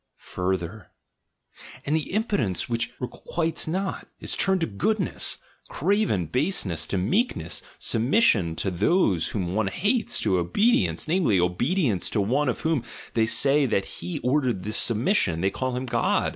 Further ! "And the impotence which requites not, is turned to 'goodness,' craven baseness to meekness, submission to those whom one hates, to obedience (namely, obedience to one of whom they say that he ordered this submis sion — they call him God).